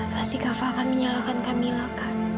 pasti kak fah akan menyalahkan kak mila kak